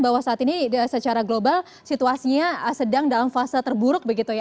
bahwa saat ini secara global situasinya sedang dalam fase terburuk begitu ya